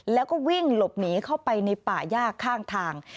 แล้วก็วิ่งหลบหนีเข้าไปในป่าย่าข้างทาง